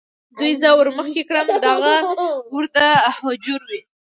دوی زه ور مخې کړم، دغه ور د هوجرې و.